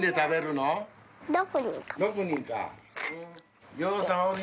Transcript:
６人か。